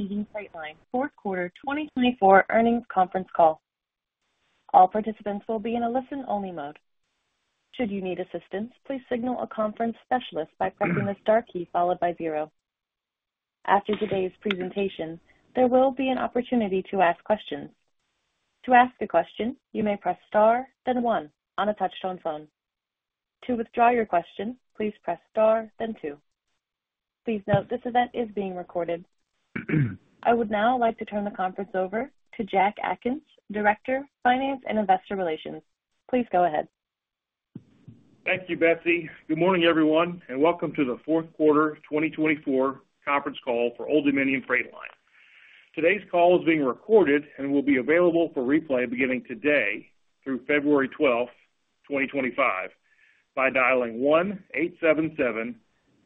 Good afternoon. Old Dominion Freight Line fourth quarter 2024 earnings conference call. All participants will be in a listen-only mode. Should you need assistance, please signal a conference specialist by pressing the star key followed by zero. After today's presentation, there will be an opportunity to ask questions. To ask a question, you may press star, then one, on a touch-tone phone. To withdraw your question, please press star, then two. Please note this event is being recorded. I would now like to turn the conference over to Jack Atkins, Director of Finance and Investor Relations. Please go ahead. Thank you, Betsy. Good morning, everyone, and welcome to the fourth quarter 2024 conference call for Old Dominion Freight Line. Today's call is being recorded and will be available for replay beginning today through February 12th, 2025, by dialing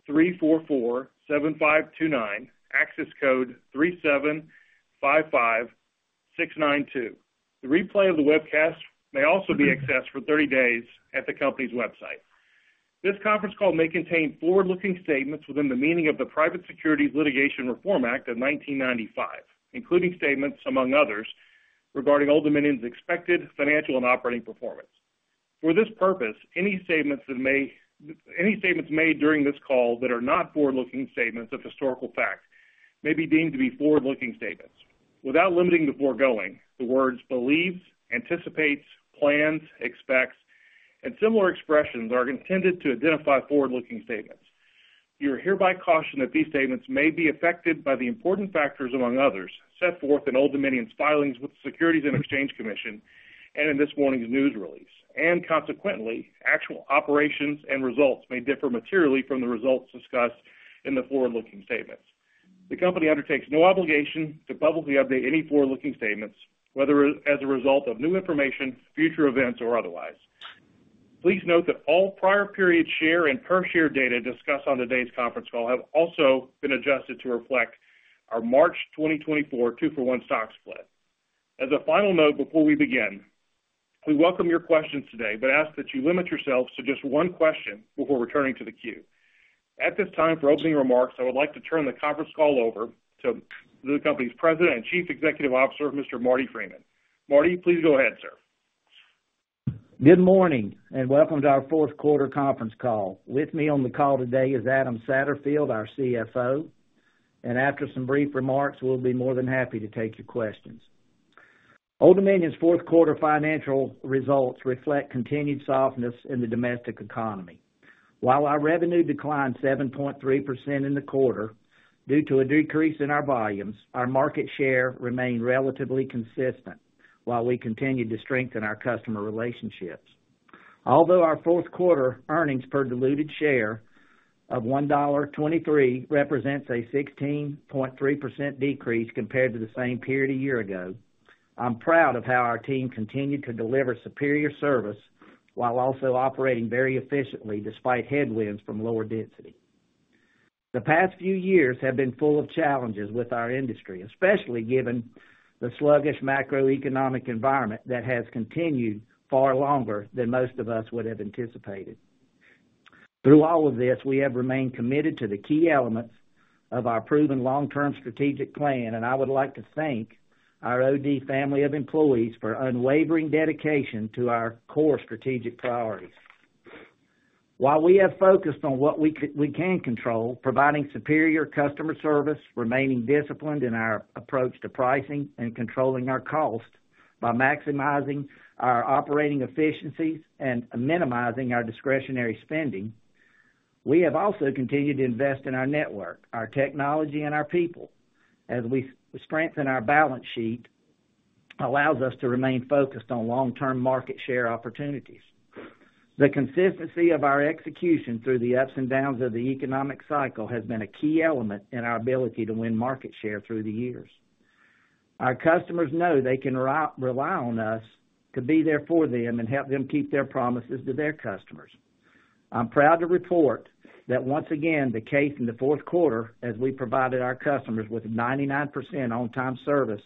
1-877-344-7529, access code 3755692. The replay of the webcast may also be accessed for 30 days at the company's website. This conference call may contain forward-looking statements within the meaning of the Private Securities Litigation Reform Act of 1995, including statements, among others, regarding Old Dominion's expected financial and operating performance. For this purpose, any statements made during this call that are not forward-looking statements of historical fact may be deemed to be forward-looking statements. Without limiting the foregoing, the words "believes," "anticipates," "plans," "expects," and similar expressions are intended to identify forward-looking statements. You are hereby cautioned that these statements may be affected by the important factors, among others, set forth in Old Dominion's filings with the Securities and Exchange Commission and in this morning's news release, and consequently, actual operations and results may differ materially from the results discussed in the forward-looking statements. The company undertakes no obligation to publicly update any forward-looking statements, whether as a result of new information, future events, or otherwise. Please note that all prior period share and per-share data discussed on today's conference call have also been adjusted to reflect our March 2024 two-for-one stock split. As a final note before we begin, we welcome your questions today, but ask that you limit yourselves to just one question before returning to the queue. At this time, for opening remarks, I would like to turn the conference call over to the company's President and Chief Executive Officer, Mr. Marty Freeman. Marty, please go ahead, sir. Good morning and welcome to our fourth quarter conference call. With me on the call today is Adam Satterfield, our CFO, and after some brief remarks, we'll be more than happy to take your questions. Old Dominion's fourth quarter financial results reflect continued softness in the domestic economy. While our revenue declined 7.3% in the quarter due to a decrease in our volumes, our market share remained relatively consistent while we continued to strengthen our customer relationships. Although our fourth quarter earnings per diluted share of $1.23 represents a 16.3% decrease compared to the same period a year ago, I'm proud of how our team continued to deliver superior service while also operating very efficiently despite headwinds from lower density. The past few years have been full of challenges with our industry, especially given the sluggish macroeconomic environment that has continued far longer than most of us would have anticipated. Through all of this, we have remained committed to the key elements of our proven long-term strategic plan, and I would like to thank our OD family of employees for unwavering dedication to our core strategic priorities. While we have focused on what we can control, providing superior customer service, remaining disciplined in our approach to pricing, and controlling our cost by maximizing our operating efficiencies and minimizing our discretionary spending, we have also continued to invest in our network, our technology, and our people as we strengthen our balance sheet, allowing us to remain focused on long-term market share opportunities. The consistency of our execution through the ups and downs of the economic cycle has been a key element in our ability to win market share through the years. Our customers know they can rely on us to be there for them and help them keep their promises to their customers. I'm proud to report that once again, as was the case in the fourth quarter, we provided our customers with 99% on-time service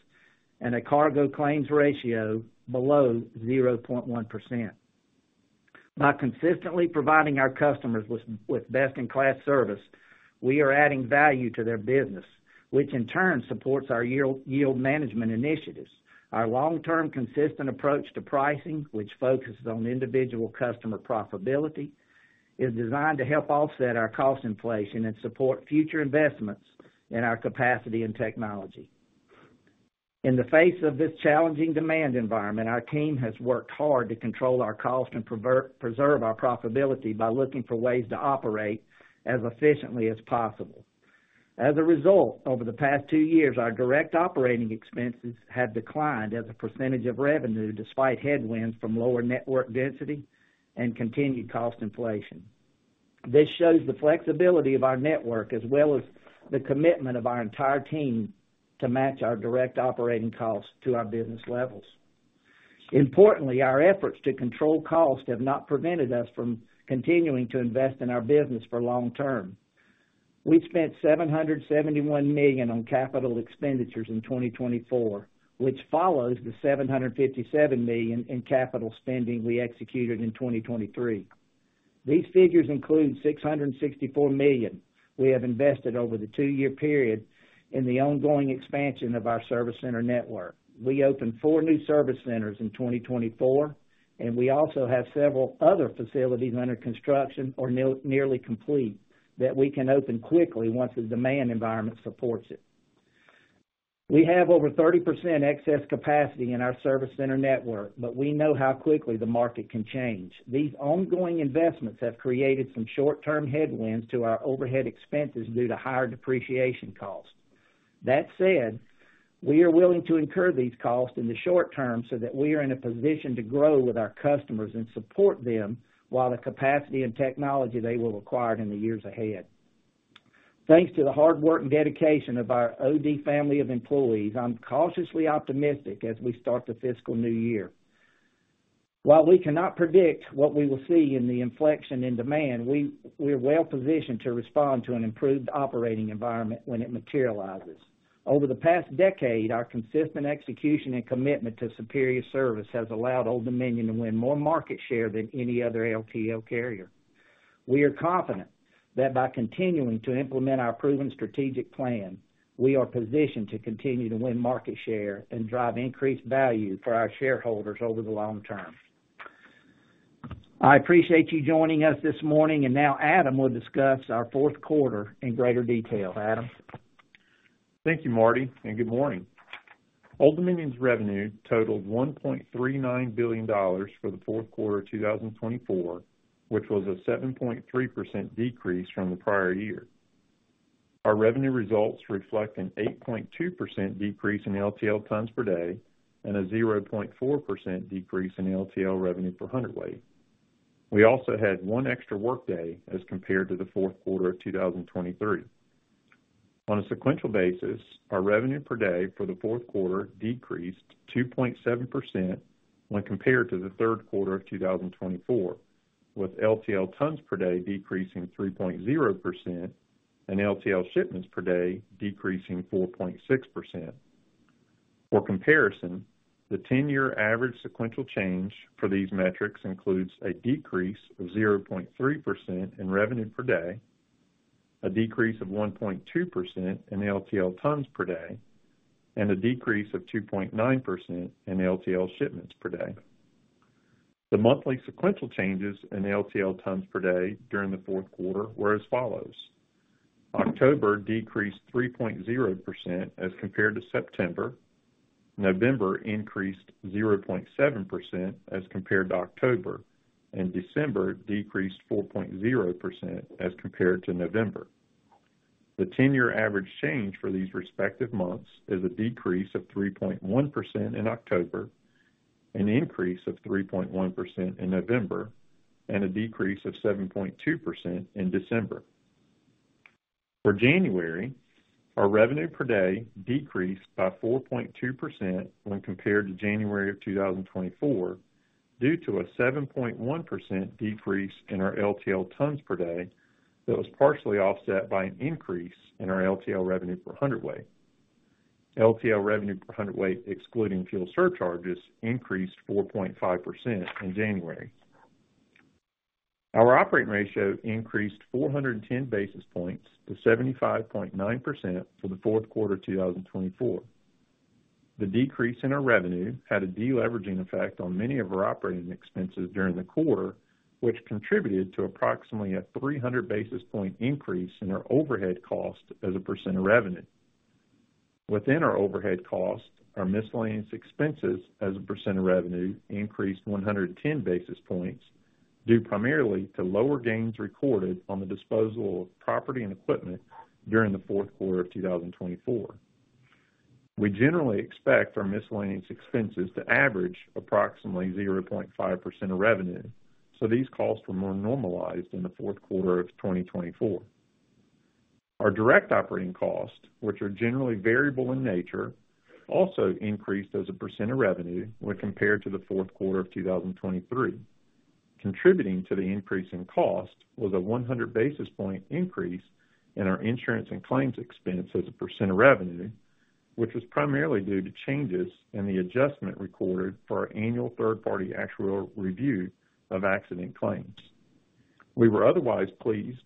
and a cargo claims ratio below 0.1%. By consistently providing our customers with best-in-class service, we are adding value to their business, which in turn supports our yield management initiatives. Our long-term consistent approach to pricing, which focuses on individual customer profitability, is designed to help offset our cost inflation and support future investments in our capacity and technology. In the face of this challenging demand environment, our team has worked hard to control our cost and preserve our profitability by looking for ways to operate as efficiently as possible. As a result, over the past two years, our direct operating expenses have declined as a percentage of revenue despite headwinds from lower network density and continued cost inflation. This shows the flexibility of our network as well as the commitment of our entire team to match our direct operating costs to our business levels. Importantly, our efforts to control cost have not prevented us from continuing to invest in our business for long term. We spent $771 million on capital expenditures in 2024, which follows the $757 million in capital spending we executed in 2023. These figures include $664 million we have invested over the two-year period in the ongoing expansion of our service center network. We opened four new service centers in 2024, and we also have several other facilities under construction or nearly complete that we can open quickly once the demand environment supports it. We have over 30% excess capacity in our service center network, but we know how quickly the market can change. These ongoing investments have created some short-term headwinds to our overhead expenses due to higher depreciation costs. That said, we are willing to incur these costs in the short term so that we are in a position to grow with our customers and support them while the capacity and technology they will require in the years ahead. Thanks to the hard work and dedication of our OD family of employees, I'm cautiously optimistic as we start the fiscal new year. While we cannot predict what we will see in the inflection in demand, we are well positioned to respond to an improved operating environment when it materializes. Over the past decade, our consistent execution and commitment to superior service has allowed Old Dominion to win more market share than any other LTL carrier. We are confident that by continuing to implement our proven strategic plan, we are positioned to continue to win market share and drive increased value for our shareholders over the long term. I appreciate you joining us this morning, and now Adam will discuss our fourth quarter in greater detail. Adam. Thank you, Marty, and good morning. Old Dominion's revenue totaled $1.39 billion for the fourth quarter of 2024, which was a 7.3% decrease from the prior year. Our revenue results reflect an 8.2% decrease in LTL tons per day and a 0.4% decrease in LTL revenue per hundredweight. We also had one extra workday as compared to the fourth quarter of 2023. On a sequential basis, our revenue per day for the fourth quarter decreased 2.7% when compared to the third quarter of 2024, with LTL tons per day decreasing 3.0% and LTL shipments per day decreasing 4.6%. For comparison, the 10-year average sequential change for these metrics includes a decrease of 0.3% in revenue per day, a decrease of 1.2% in LTL tons per day, and a decrease of 2.9% in LTL shipments per day. The monthly sequential changes in LTL tons per day during the fourth quarter were as follows: October decreased 3.0% as compared to September, November increased 0.7% as compared to October, and December decreased 4.0% as compared to November. The 10-year average change for these respective months is a decrease of 3.1% in October, an increase of 3.1% in November, and a decrease of 7.2% in December. For January, our revenue per day decreased by 4.2% when compared to January of 2024 due to a 7.1% decrease in our LTL tons per day that was partially offset by an increase in our LTL revenue per hundredweight. LTL revenue per hundredweight, excluding fuel surcharges, increased 4.5% in January. Our operating ratio increased 410 basis points to 75.9% for the fourth quarter of 2024. The decrease in our revenue had a deleveraging effect on many of our operating expenses during the quarter, which contributed to approximately a 300 basis points increase in our overhead cost as a percent of revenue. Within our overhead cost, our miscellaneous expenses as a percent of revenue increased 110 basis points due primarily to lower gains recorded on the disposal of property and equipment during the fourth quarter of 2024. We generally expect our miscellaneous expenses to average approximately 0.5% of revenue, so these costs were more normalized in the fourth quarter of 2024. Our direct operating costs, which are generally variable in nature, also increased as a percent of revenue when compared to the fourth quarter of 2023.Contributing to the increase in cost was a 100 basis points increase in our insurance and claims expense as a % of revenue, which was primarily due to changes in the adjustment recorded for our annual third-party actuarial review We were pleased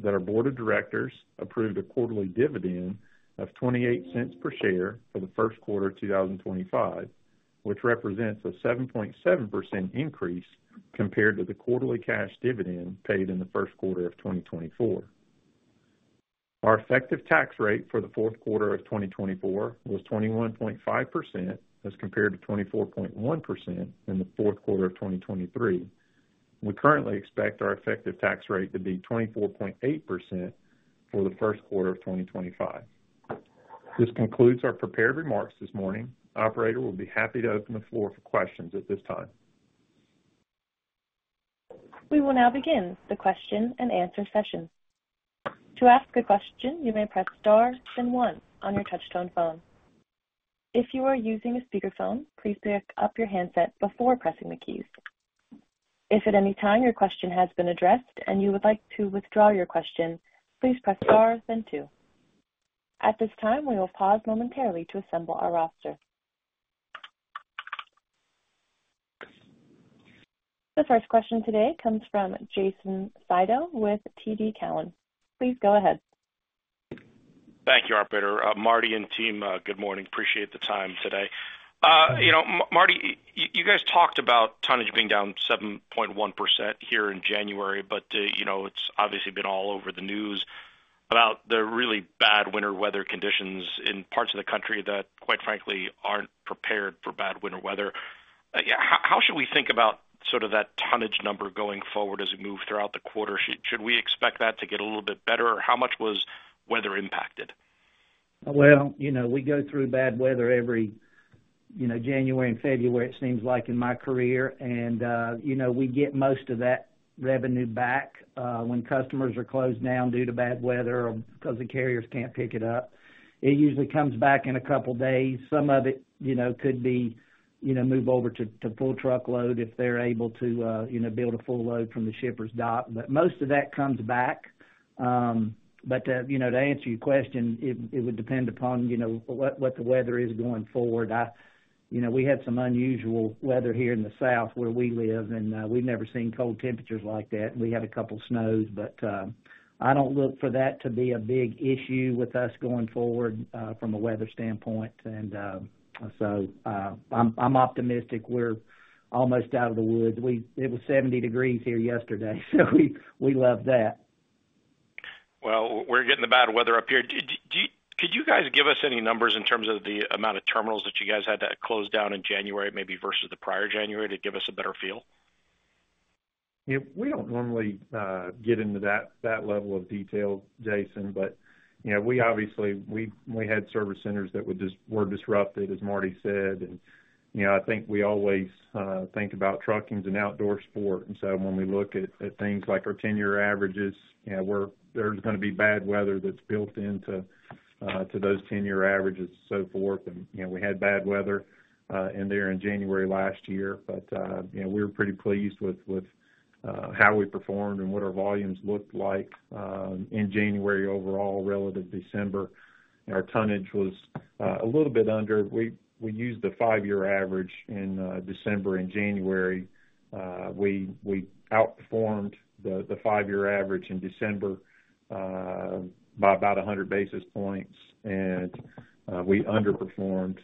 that our board of directors approved a quarterly dividend of $0.28 per share for the first quarter of 2025, which represents a 7.7% increase compared to the quarterly cash dividend paid in the first quarter of 2024. Our effective tax rate for the fourth quarter of 2024 was 21.5% as compared to 24.1% in the fourth quarter of 2023. We currently expect our effective tax rate to be 24.8% for the first quarter of 2025. This concludes our prepared remarks this morning. Operator will be happy to open the floor for questions at this time. We will now begin the question and answer session. To ask a question, you may press star then one on your touch-tone phone. If you are using a speakerphone, please pick up your handset before pressing the keys. If at any time your question has been addressed and you would like to withdraw your question, please press star then two. At this time, we will pause momentarily to assemble our roster. The first question today comes from Jason Seidl with TD Cowen. Please go ahead. Thank you, Operator. Marty and team, good morning. Appreciate the time today. You know, Marty, you guys talked about tonnage being down 7.1% here in January, but you know, it's obviously been all over the news about the really bad winter weather conditions in parts of the country that, quite frankly, aren't prepared for bad winter weather. How should we think about sort of that tonnage number going forward as we move throughout the quarter? Should we expect that to get a little bit better? How much was weather impacted? You know, we go through bad weather every, you know, January and February, it seems like, in my career, and you know, we get most of that revenue back when customers are closed down due to bad weather or because the carriers can't pick it up. It usually comes back in a couple of days. Some of it, you know, could be, you know, move over to full truckload if they're able to, you know, build a full load from the shipper's dock. But most of that comes back. But, you know, to answer your question, it would depend upon, you know, what the weather is going forward. You know, we had some unusual weather here in the South where we live, and we've never seen cold temperatures like that. We had a couple of snows, but I don't look for that to be a big issue with us going forward from a weather standpoint, and so I'm optimistic we're almost out of the woods. It was 70 degrees here yesterday, so we love that. We're getting the bad weather up here. Could you guys give us any numbers in terms of the amount of terminals that you guys had to close down in January, maybe versus the prior January, to give us a better feel? Yeah, we don't normally get into that level of detail, Jason, but, you know, we obviously had service centers that were disrupted, as Marty said. You know, I think we always think about trucking as an outdoor sport. So when we look at things like our 10-year averages, you know, there's going to be bad weather that's built into those 10-year averages and so forth. You know, we had bad weather in there in January last year, but, you know, we were pretty pleased with how we performed and what our volumes looked like in January overall relative to December. Our tonnage was a little bit under. We used the five-year average in December and January. We outperformed the five-year average in December by about 100 basis points, and we underperformed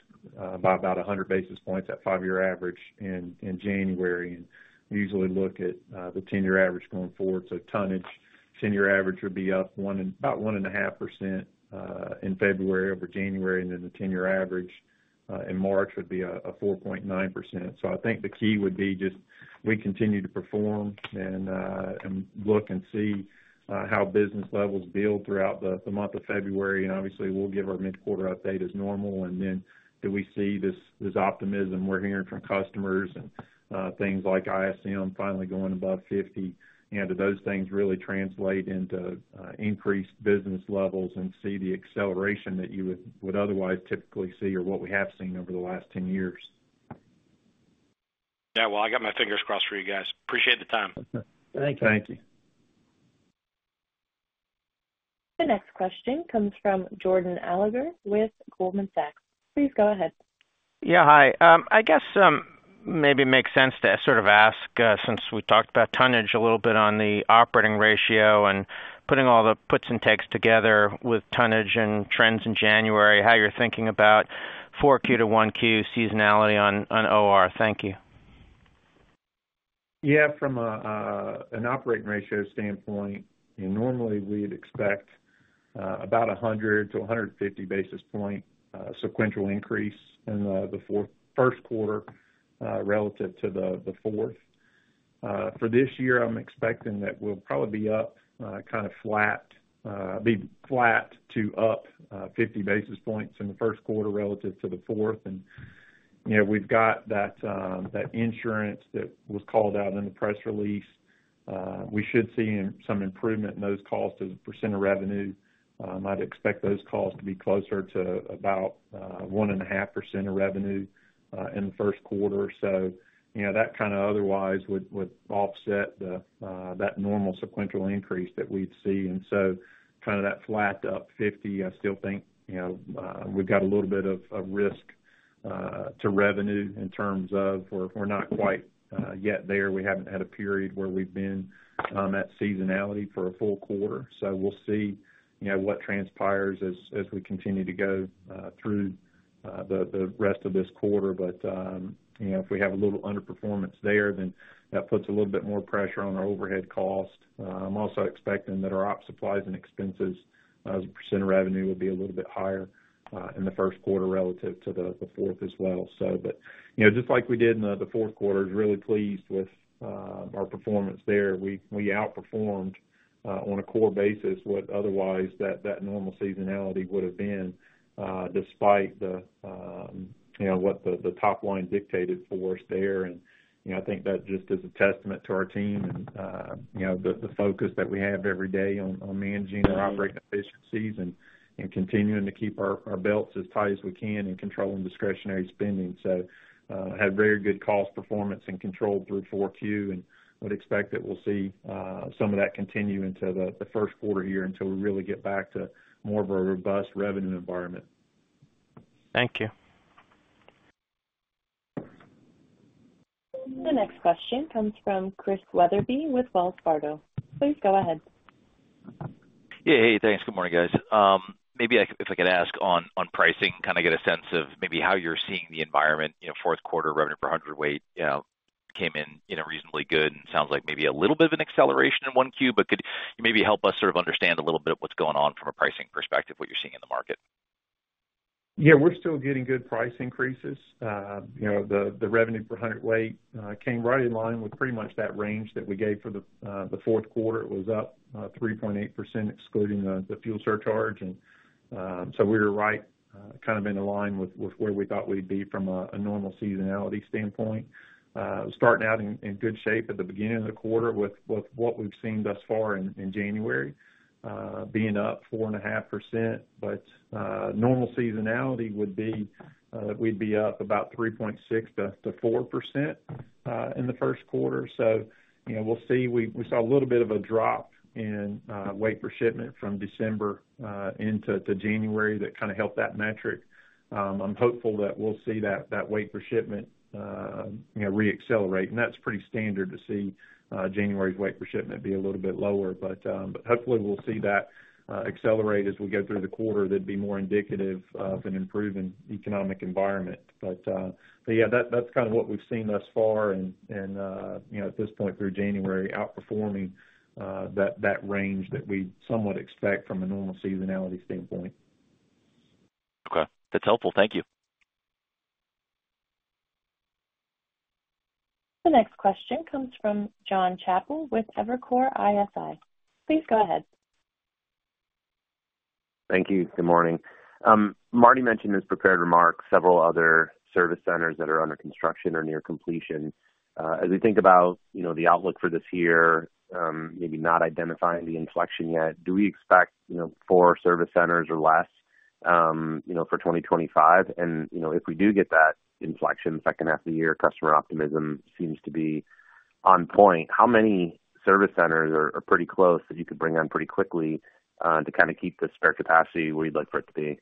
by about 100 basis points at five-year average in January. We usually look at the 10-year average going forward. Tonnage, 10-year average would be up about 1.5% in February over January, and then the 10-year average in March would be 4.9%. I think the key would be just we continue to perform and look and see how business levels build throughout the month of February. Obviously, we'll give our mid-quarter update as normal. Then do we see this optimism we're hearing from customers and things like ISM finally going above 50? You know, do those things really translate into increased business levels and see the acceleration that you would otherwise typically see or what we have seen over the last 10 years? Yeah, well, I got my fingers crossed for you guys. Appreciate the time. Thank you. Thank you. The next question comes from Jordan Alliger with Goldman Sachs. Please go ahead. Yeah, hi. I guess maybe it makes sense to sort of ask, since we talked about tonnage a little bit on the operating ratio and putting all the puts and takes together with tonnage and trends in January, how you're thinking about 4Q to 1Q seasonality on OR? Thank you. Yeah, from an operating ratio standpoint, normally we'd expect about 100-150 basis points sequential increase in the first quarter relative to the fourth. For this year, I'm expecting that we'll probably be up kind of flat, be flat to up 50 basis points in the first quarter relative to the fourth. And, you know, we've got that insurance that was called out in the press release. We should see some improvement in those costs as a percent of revenue. I'd expect those costs to be closer to about 1.5% of revenue in the first quarter. So, you know, that kind of otherwise would offset that normal sequential increase that we'd see. And so kind of that flat up 50, I still think, you know, we've got a little bit of risk to revenue in terms of we're not quite yet there. We haven't had a period where we've been at seasonality for a full quarter. So we'll see, you know, what transpires as we continue to go through the rest of this quarter. But, you know, if we have a little underperformance there, then that puts a little bit more pressure on our overhead cost. I'm also expecting that our ops supplies and expenses as a % of revenue would be a little bit higher in the first quarter relative to the fourth as well. So, but, you know, just like we did in the fourth quarter, I was really pleased with our performance there. We outperformed on a core basis what otherwise that normal seasonality would have been despite, you know, what the top line dictated for us there. You know, I think that just is a testament to our team and, you know, the focus that we have every day on managing our operating efficiencies and continuing to keep our belts as tight as we can and controlling discretionary spending. I had very good cost performance and control through 4Q, and I would expect that we'll see some of that continue into the first quarter year until we really get back to more of a robust revenue environment. Thank you. The next question comes from Chris Wetherbee with Wells Fargo. Please go ahead. Yeah, hey, thanks. Good morning, guys. Maybe if I could ask on pricing, kind of get a sense of maybe how you're seeing the environment, you know, fourth quarter revenue per hundredweight came in, you know, reasonably good. And it sounds like maybe a little bit of an acceleration in 1Q, but could you maybe help us sort of understand a little bit of what's going on from a pricing perspective, what you're seeing in the market? Yeah, we're still getting good price increases. You know, the revenue per hundredweight came right in line with pretty much that range that we gave for the fourth quarter. It was up 3.8% excluding the fuel surcharge, and so we were right kind of in line with where we thought we'd be from a normal seasonality standpoint. Starting out in good shape at the beginning of the quarter with what we've seen thus far in January, being up 4.5%, but normal seasonality would be we'd be up about 3.6%-4% in the first quarter, so you know, we'll see. We saw a little bit of a drop in weight per shipment from December into January that kind of helped that metric. I'm hopeful that we'll see that weight per shipment, you know, re-accelerate, and that's pretty standard to see January's weight per shipment be a little bit lower. But hopefully we'll see that accelerate as we go through the quarter. That'd be more indicative of an improving economic environment. But, yeah, that's kind of what we've seen thus far. And, you know, at this point through January, outperforming that range that we somewhat expect from a normal seasonality standpoint. Okay. That's helpful. Thank you. The next question comes from Jon Chappell with Evercore ISI. Please go ahead. Thank you. Good morning. Marty mentioned in his prepared remarks several other service centers that are under construction or near completion. As we think about, you know, the outlook for this year, maybe not identifying the inflection yet, do we expect, you know, four service centers or less, you know, for 2025, and you know, if we do get that inflection, second half of the year, customer optimism seems to be on point. How many service centers are pretty close that you could bring in pretty quickly to kind of keep the spare capacity where you'd like for it to be?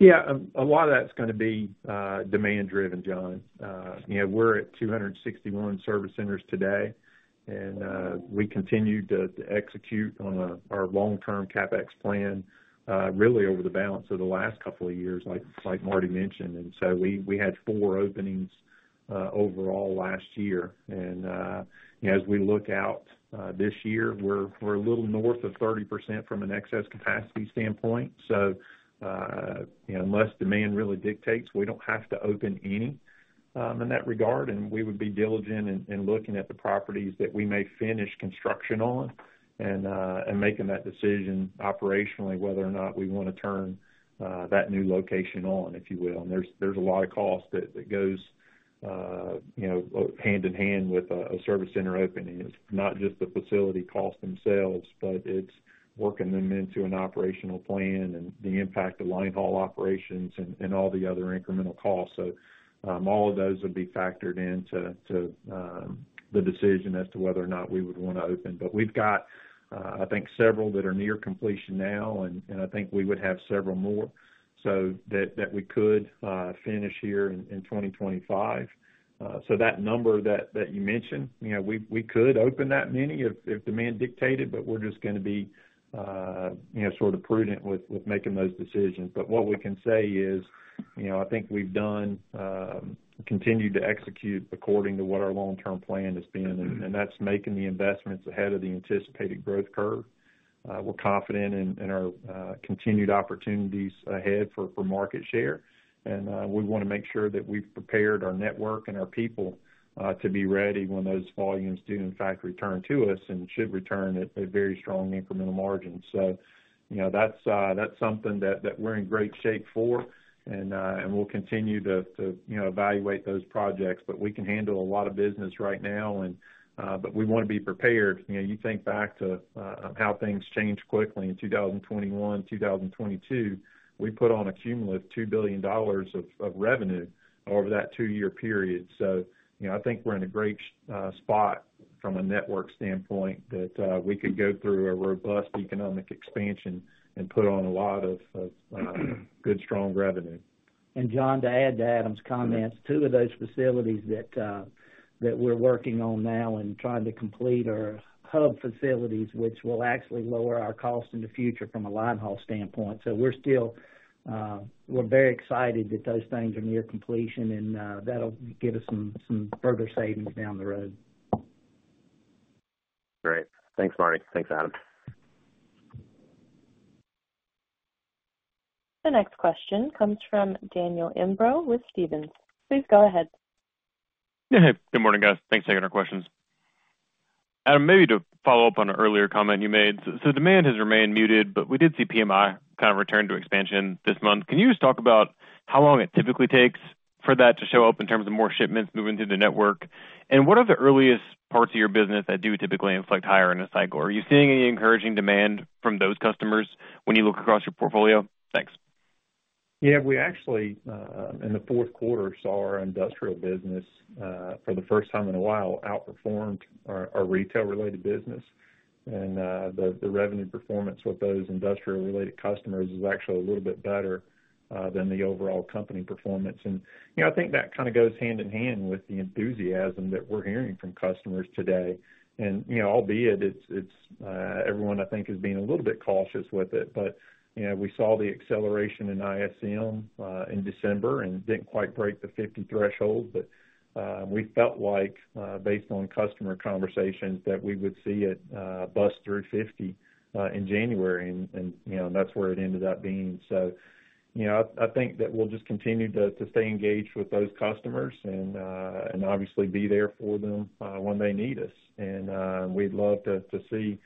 Yeah, a lot of that's going to be demand-driven, Jon. You know, we're at 261 service centers today, and we continue to execute on our long-term CapEx plan really over the balance of the last couple of years, like Marty mentioned. And so we had four openings overall last year. And as we look out this year, we're a little north of 30% from an excess capacity standpoint. So, you know, unless demand really dictates, we don't have to open any in that regard. And we would be diligent in looking at the properties that we may finish construction on and making that decision operationally whether or not we want to turn that new location on, if you will. And there's a lot of cost that goes, you know, hand in hand with a service center opening. It's not just the facility costs themselves, but it's working them into an operational plan and the impact of linehaul operations and all the other incremental costs. So all of those would be factored into the decision as to whether or not we would want to open. But we've got, I think, several that are near completion now, and I think we would have several more so that we could finish here in 2025. So that number that you mentioned, you know, we could open that many if demand dictated, but we're just going to be, you know, sort of prudent with making those decisions. But what we can say is, you know, I think we've done, continued to execute according to what our long-term plan has been, and that's making the investments ahead of the anticipated growth curve. We're confident in our continued opportunities ahead for market share. We want to make sure that we've prepared our network and our people to be ready when those volumes do, in fact, return to us and should return at very strong incremental margins, so you know, that's something that we're in great shape for, and we'll continue to evaluate those projects, but we can handle a lot of business right now, but we want to be prepared. You know, you think back to how things changed quickly in 2021, 2022. We put on a cumulative $2 billion of revenue over that two-year period, so you know, I think we're in a great spot from a network standpoint that we could go through a robust economic expansion and put on a lot of good, strong revenue. Jon, to add to Adam's comments, two of those facilities that we're working on now and trying to complete are hub facilities, which will actually lower our costs in the future from a linehaul standpoint. So we're very excited that those things are near completion, and that'll give us some further savings down the road. Great. Thanks, Marty. Thanks, Adam. The next question comes from Daniel Imbro with Stephens. Please go ahead. Hey, good morning, guys. Thanks for taking our questions. Adam, maybe to follow up on an earlier comment you made, so demand has remained muted, but we did see PMI kind of return to expansion this month. Can you just talk about how long it typically takes for that to show up in terms of more shipments moving through the network? And what are the earliest parts of your business that do typically inflect higher in a cycle? Are you seeing any encouraging demand from those customers when you look across your portfolio? Thanks. Yeah, we actually in the fourth quarter saw our industrial business for the first time in a while outperform our retail-related business. And the revenue performance with those industrial-related customers is actually a little bit better than the overall company performance. And, you know, I think that kind of goes hand in hand with the enthusiasm that we're hearing from customers today. And, you know, albeit, it's everyone, I think, is being a little bit cautious with it. But, you know, we saw the acceleration in ISM in December and didn't quite break the 50 threshold. But we felt like, based on customer conversations, that we would see it bust through 50 in January. And, you know, that's where it ended up being. So, you know, I think that we'll just continue to stay engaged with those customers and obviously be there for them when they need us. We'd love to see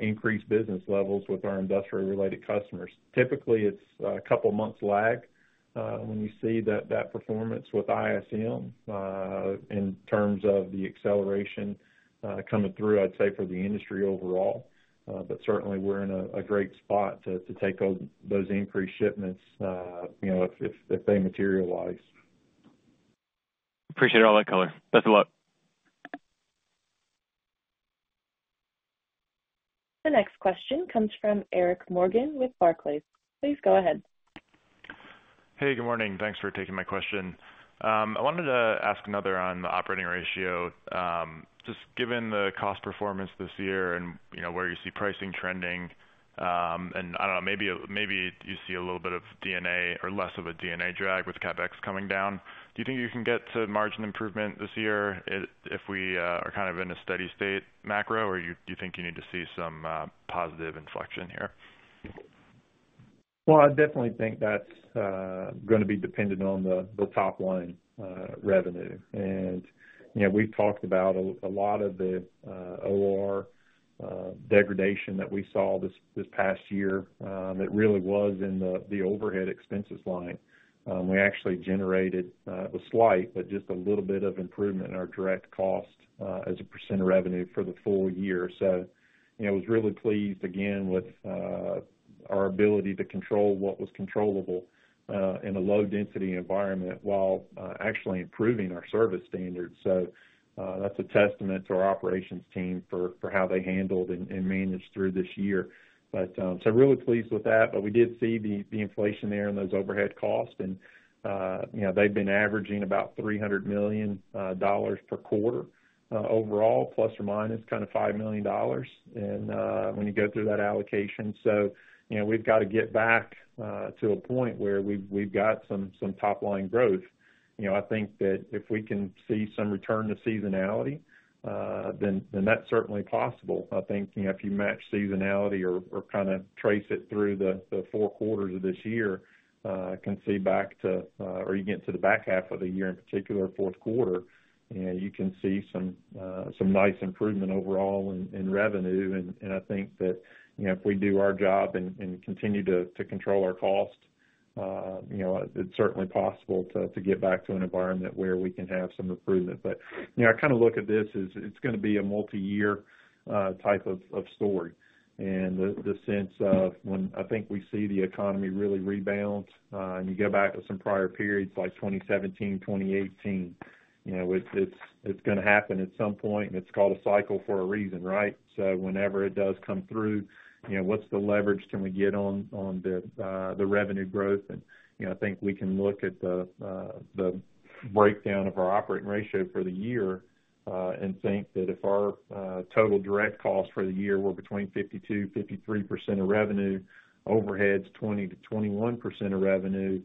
increased business levels with our industrial-related customers. Typically, it's a couple of months' lag when you see that performance with ISM in terms of the acceleration coming through, I'd say, for the industry overall. But certainly, we're in a great spot to take those increased shipments, you know, if they materialize. Appreciate all that, color. Thanks a lot. The next question comes from Eric Morgan with Barclays. Please go ahead. Hey, good morning. Thanks for taking my question. I wanted to ask another on the operating ratio. Just given the cost performance this year and, you know, where you see pricing trending, and I don't know, maybe you see a little bit of D&A or less of a D&A drag with CapEx coming down. Do you think you can get to margin improvement this year if we are kind of in a steady state macro, or do you think you need to see some positive inflection here? I definitely think that's going to be dependent on the top line revenue. You know, we've talked about a lot of the OR degradation that we saw this past year. It really was in the overhead expenses line. We actually generated a slight, but just a little bit of improvement in our direct cost as a % of revenue for the full year. You know, I was really pleased, again, with our ability to control what was controllable in a low-density environment while actually improving our service standards. That's a testament to our operations team for how they handled and managed through this year. So really pleased with that. We did see the inflation there in those overhead costs. You know, they've been averaging about $300 million per quarter overall, plus or minus kind of $5 million when you go through that allocation. So, you know, we've got to get back to a point where we've got some top line growth. You know, I think that if we can see some return to seasonality, then that's certainly possible. I think, you know, if you match seasonality or kind of trace it through the four quarters of this year, I can see back to, or you get to the back half of the year in particular, fourth quarter, you can see some nice improvement overall in revenue. And I think that, you know, if we do our job and continue to control our cost, you know, it's certainly possible to get back to an environment where we can have some improvement. But, you know, I kind of look at this as it's going to be a multi-year type of story. And the sense of when I think we see the economy really rebound and you go back to some prior periods like 2017, 2018, you know, it's going to happen at some point. And it's called a cycle for a reason, right? So whenever it does come through, you know, what's the leverage can we get on the revenue growth? And, you know, I think we can look at the breakdown of our operating ratio for the year and think that if our total direct costs for the year were between 52%-53% of revenue, overhead's 20%-21% of revenue,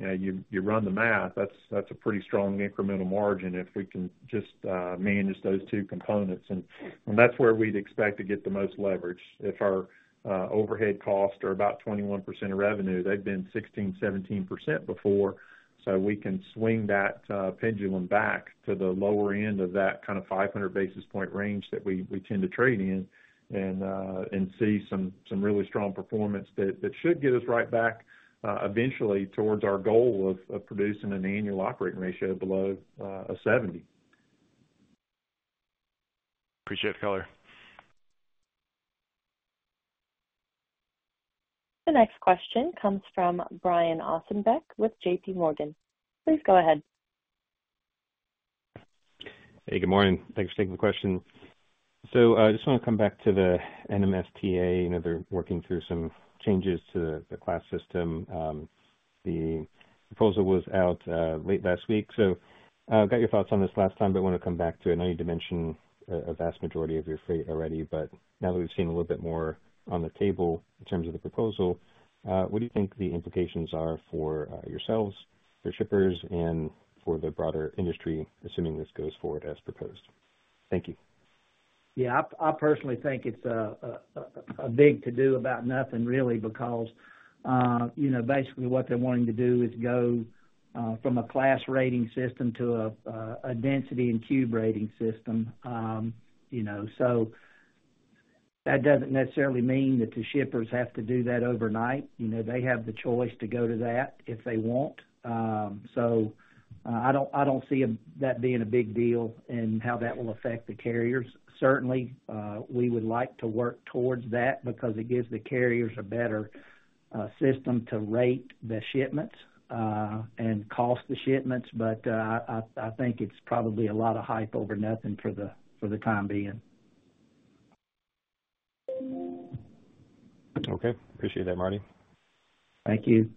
you know, you run the math, that's a pretty strong incremental margin if we can just manage those two components. And that's where we'd expect to get the most leverage. If our overhead costs are about 21% of revenue, they've been 16%, 17% before. So we can swing that pendulum back to the lower end of that kind of 500 basis point range that we tend to trade in and see some really strong performance that should get us right back eventually towards our goal of producing an annual operating ratio below a 70. Appreciate it, color. The next question comes from Brian Ossenbeck with J.P. Morgan. Please go ahead. Hey, good morning. Thanks for taking the question. So I just want to come back to the NMFTA. You know, they're working through some changes to the class system. The proposal was out late last week. So I got your thoughts on this last time, but I want to come back to it. I know you'd mentioned a vast majority of your freight already, but now that we've seen a little bit more on the table in terms of the proposal, what do you think the implications are for yourselves, for shippers, and for the broader industry, assuming this goes forward as proposed? Thank you. Yeah, I personally think it's a big to-do about nothing really because, you know, basically what they're wanting to do is go from a class rating system to a density and cube rating system. You know, so that doesn't necessarily mean that the shippers have to do that overnight. You know, they have the choice to go to that if they want. So I don't see that being a big deal in how that will affect the carriers. Certainly, we would like to work towards that because it gives the carriers a better system to rate the shipments and cost the shipments. But I think it's probably a lot of hype over nothing for the time being. Okay. Appreciate that, Marty. Thank you.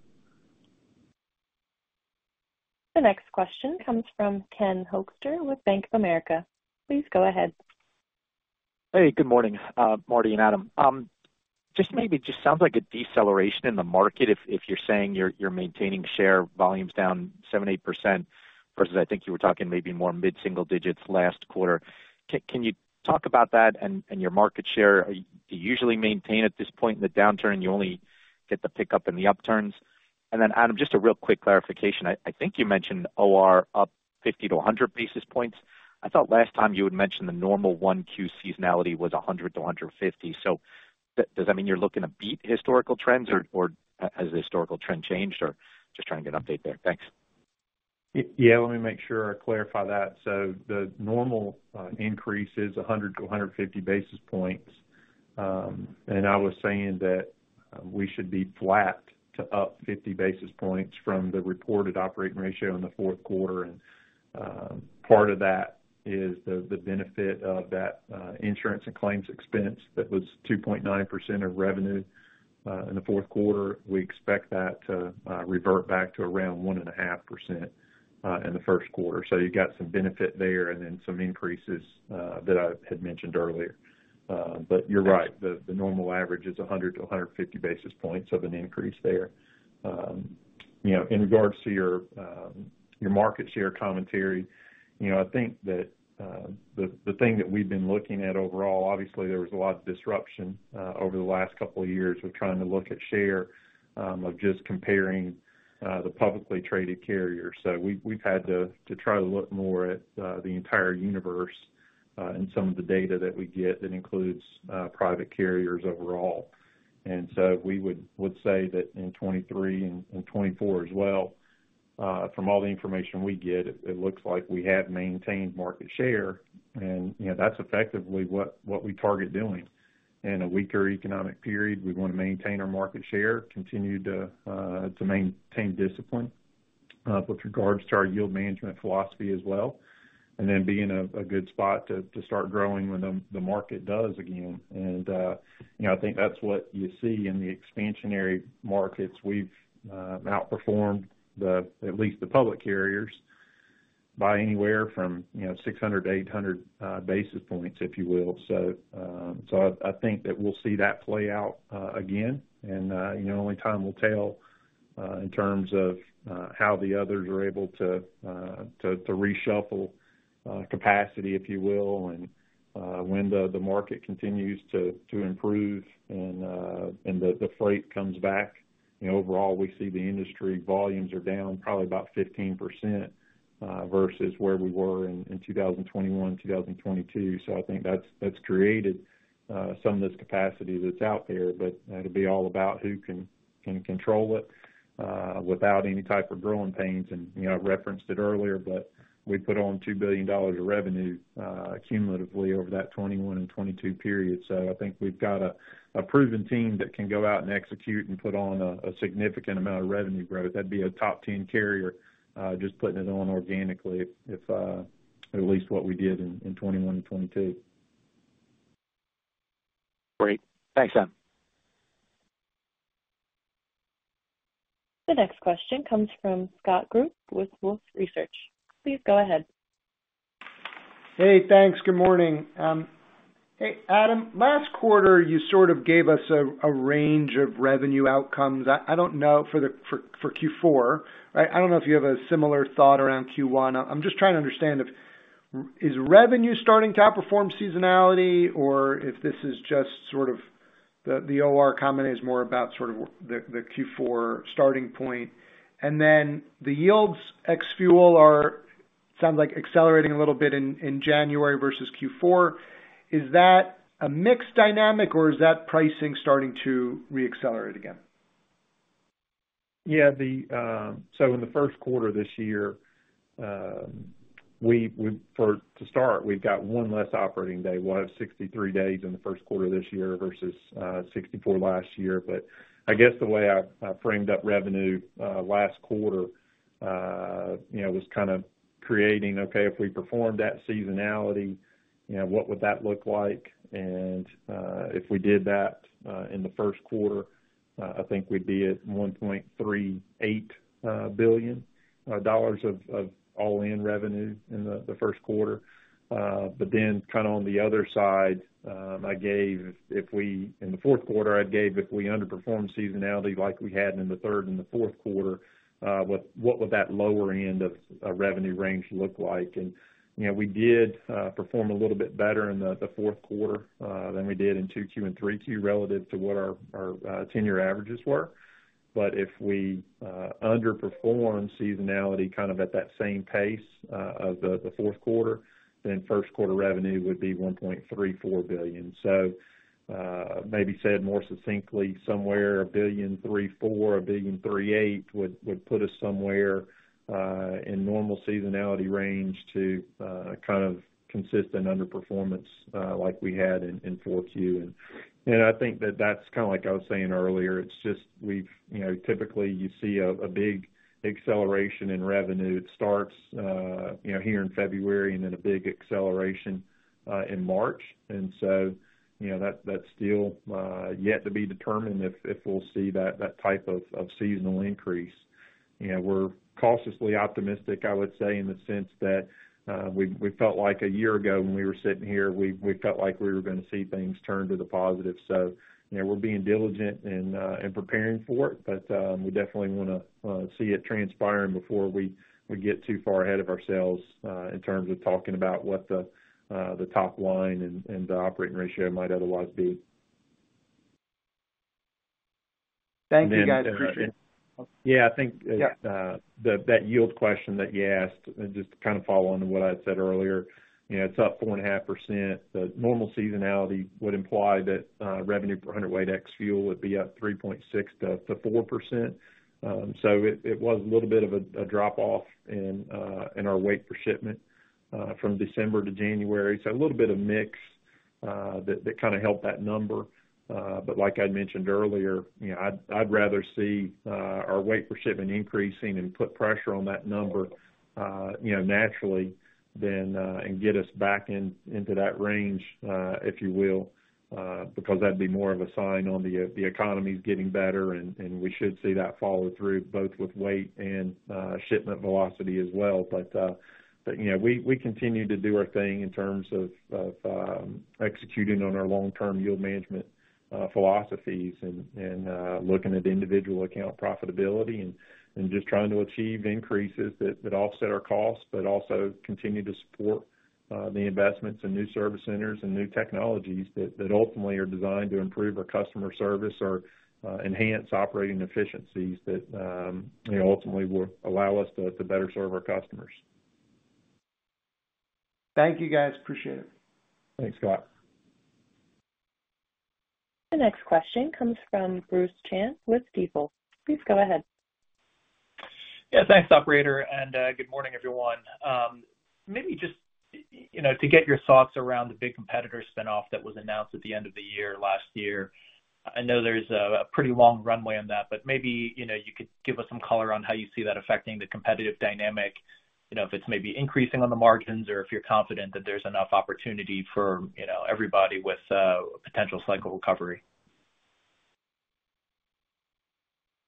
The next question comes from Ken Hoexter with Bank of America. Please go ahead. Hey, good morning, Marty and Adam. Just maybe sounds like a deceleration in the market if you're saying you're maintaining share volumes down 70% versus I think you were talking maybe more mid-single digits last quarter. Can you talk about that and your market share? Do you usually maintain at this point in the downturn? You only get the pickup in the upturns. And then, Adam, just a real quick clarification. I think you mentioned OR up 50-100 basis points. I thought last time you had mentioned the normal one Q seasonality was 100-150. So does that mean you're looking to beat historical trends, or has the historical trend changed, or just trying to get an update there? Thanks. Yeah, let me make sure I clarify that. So the normal increase is 100-150 basis points. And I was saying that we should be flat to up 50 basis points from the reported operating ratio in the fourth quarter. And part of that is the benefit of that insurance and claims expense that was 2.9% of revenue in the fourth quarter. We expect that to revert back to around 1.5% in the first quarter. So you've got some benefit there and then some increases that I had mentioned earlier. But you're right, the normal average is 100-150 basis points of an increase there. You know, in regards to your market share commentary, you know, I think that the thing that we've been looking at overall, obviously there was a lot of disruption over the last couple of years with trying to look at share of just comparing the publicly traded carriers. So we've had to try to look more at the entire universe and some of the data that we get that includes private carriers overall. And so we would say that in 2023 and 2024 as well, from all the information we get, it looks like we have maintained market share. And, you know, that's effectively what we target doing. In a weaker economic period, we want to maintain our market share, continue to maintain discipline with regards to our yield management philosophy as well, and then be in a good spot to start growing when the market does again. You know, I think that's what you see in the expansionary markets. We've outperformed at least the public carriers by anywhere from, you know, 600-800 basis points, if you will. I think that we'll see that play out again. You know, only time will tell in terms of how the others are able to reshuffle capacity, if you will, and when the market continues to improve and the freight comes back. You know, overall, we see the industry volumes are down probably about 15% versus where we were in 2021, 2022. I think that's created some of this capacity that's out there. It'll be all about who can control it without any type of growing pains. You know, I've referenced it earlier, but we put on $2 billion of revenue cumulatively over that 2021 and 2022 period. So I think we've got a proven team that can go out and execute and put on a significant amount of revenue growth. That'd be a top 10 carrier just putting it on organically, at least what we did in 2021 and 2022. Great. Thanks, Adam. The next question comes from Scott Group with Wolfe Research. Please go ahead. Hey, thanks. Good morning. Hey, Adam, last quarter, you sort of gave us a range of revenue outcomes. I don't know for Q4, right? I don't know if you have a similar thought around Q1. I'm just trying to understand if revenue is starting to outperform seasonality or if this is just sort of the OR comment is more about sort of the Q4 starting point. And then the yields ex fuel are, it sounds like, accelerating a little bit in January versus Q4. Is that a mixed dynamic, or is that pricing starting to reaccelerate again? Yeah, so in the first quarter of this year, for to start, we've got one less operating day. We'll have 63 days in the first quarter of this year versus 64 last year. But I guess the way I framed up revenue last quarter, you know, was kind of creating, okay, if we performed that seasonality, you know, what would that look like? And if we did that in the first quarter, I think we'd be at $1.38 billion of all-in revenue in the first quarter. But then kind of on the other side, I gave if we in the fourth quarter, I'd gave if we underperformed seasonality like we had in the third and the fourth quarter, what would that lower end of revenue range look like? You know, we did perform a little bit better in the fourth quarter than we did in Q2 and Q3 relative to what our ten-year averages were. But if we underperformed seasonality kind of at that same pace of the fourth quarter, then first quarter revenue would be $1.34 billion. So maybe said more succinctly, somewhere $1.34 billion-$1.38 billion would put us somewhere in normal seasonality range to kind of consistent underperformance like we had in Q4. I think that that's kind of like I was saying earlier. It's just, you know, typically you see a big acceleration in revenue. It starts, you know, here in February and then a big acceleration in March. You know, that's still yet to be determined if we'll see that type of seasonal increase. You know, we're cautiously optimistic, I would say, in the sense that we felt like a year ago when we were sitting here, we felt like we were going to see things turn to the positive. So, you know, we're being diligent in preparing for it, but we definitely want to see it transpiring before we get too far ahead of ourselves in terms of talking about what the top line and the operating ratio might otherwise be. Thank you, guys. Yeah, I think that yield question that you asked, just to kind of follow on to what I had said earlier, you know, it's up 4.5%. The normal seasonality would imply that revenue per hundredweight ex fuel would be up 3.6%-4%. So it was a little bit of a drop-off in our weight per shipment from December to January. So a little bit of mix that kind of helped that number. But like I'd mentioned earlier, you know, I'd rather see our weight per shipment increasing and put pressure on that number, you know, naturally and get us back into that range, if you will, because that'd be more of a sign on the economy's getting better. And we should see that follow through both with weight and shipment velocity as well. But, you know, we continue to do our thing in terms of executing on our long-term yield management philosophies and looking at individual account profitability and just trying to achieve increases that offset our costs, but also continue to support the investments and new service centers and new technologies that ultimately are designed to improve our customer service or enhance operating efficiencies that ultimately will allow us to better serve our customers. Thank you, guys. Appreciate it. Thanks, Scott. The next question comes from Bruce Chan with Stifel. Please go ahead. Yeah, thanks, operator. And good morning, everyone. Maybe just, you know, to get your thoughts around the big competitor spinoff that was announced at the end of the year last year. I know there's a pretty long runway on that, but maybe, you know, you could give us some color on how you see that affecting the competitive dynamic, you know, if it's maybe increasing on the margins or if you're confident that there's enough opportunity for, you know, everybody with a potential cycle recovery.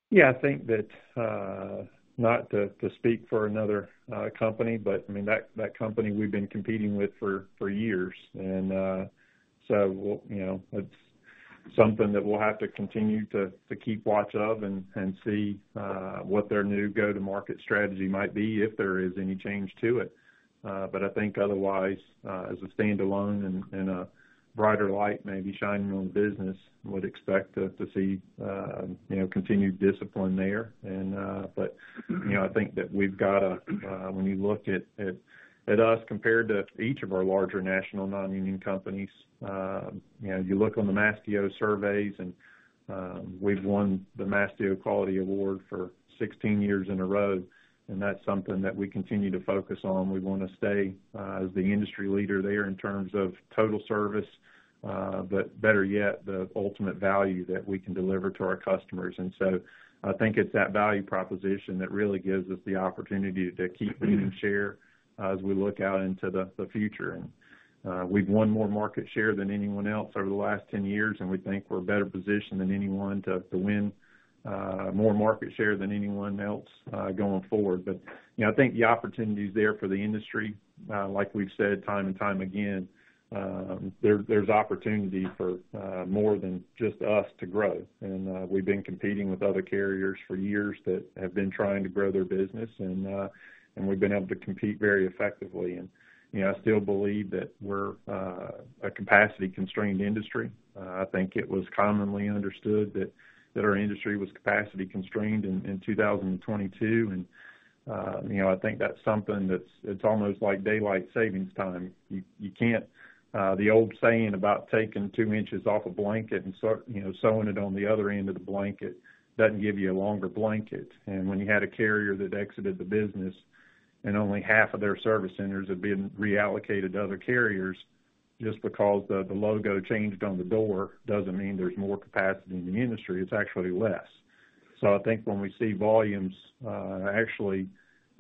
Yeah, I think that not to speak for another company, but I mean, that company we've been competing with for years, and so, you know, it's something that we'll have to continue to keep watch of and see what their new go-to-market strategy might be if there is any change to it. But I think otherwise, as a standalone and a brighter light maybe shining on the business, I would expect to see, you know, continued discipline there, you know, I think that we've got a, when you look at us compared to each of our larger national non-union companies, you know, you look on the Mastio surveys and we've won the Mastio Quality Award for 16 years in a row, and that's something that we continue to focus on. We want to stay as the industry leader there in terms of total service, but better yet, the ultimate value that we can deliver to our customers, and so I think it's that value proposition that really gives us the opportunity to keep leading share as we look out into the future, and we've won more market share than anyone else over the last 10 years, and we think we're better positioned than anyone to win more market share than anyone else going forward, but, you know, I still believe that we're a capacity-constrained industry. I think it was commonly understood that our industry was capacity-constrained in 2022. And, you know, I think that's something that's almost like daylight saving time. You can't, the old saying about taking two inches off a blanket and sewing it on the other end of the blanket doesn't give you a longer blanket. And when you had a carrier that exited the business and only half of their service centers had been reallocated to other carriers, just because the logo changed on the door doesn't mean there's more capacity in the industry. It's actually less. So I think when we see volumes actually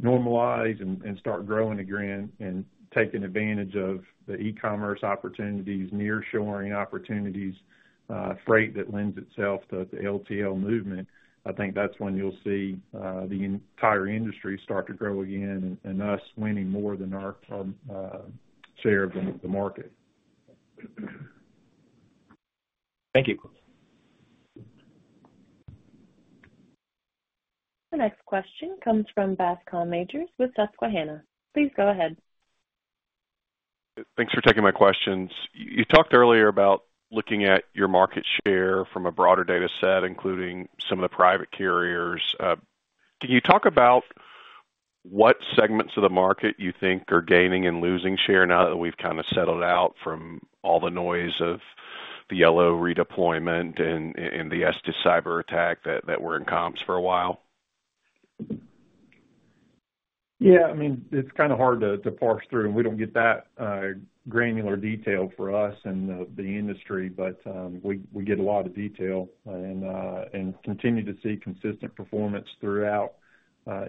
normalize and start growing again and taking advantage of the e-commerce opportunities, nearshoring opportunities, freight that lends itself to the LTL movement, I think that's when you'll see the entire industry start to grow again and us winning more than our share of the market. Thank you. The next question comes from Bascome Majors with Susquehanna. Please go ahead. Thanks for taking my questions. You talked earlier about looking at your market share from a broader data set, including some of the private carriers. Can you talk about what segments of the market you think are gaining and losing share now that we've kind of settled out from all the noise of the Yellow redeployment and the Estes cyber attack that were in comms for a while? Yeah, I mean, it's kind of hard to parse through, and we don't get that granular detail for us and the industry, but we get a lot of detail and continue to see consistent performance throughout